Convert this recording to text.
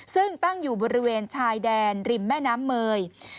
ซึ่งตั้งอยู่บริเวณชายแดนริมแม่น้ำเมย